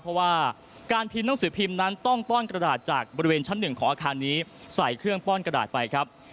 เพราะว่าการพิมพ์หนังสือพิมพ์นั้นต้องป้อนกระดาษจากบริเวณชั้นหนึ่งของอาคารนี้ใส่เครื่องป้อนกระดาษไปครับ